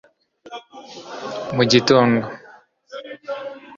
mu gitondo